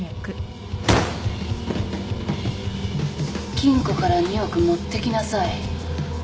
金庫から２億持ってきなさい。